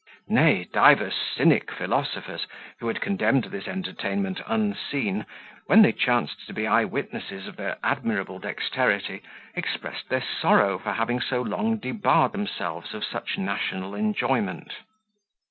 Nay, divers cynic philosophers, who had condemned this entertainment unseen, when they chanced to be eye witnesses of their admirable dexterity, expressed their sorrow for having so long debarred themselves of such national enjoyment.